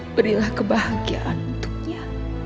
berilah kebahagiaan untuknya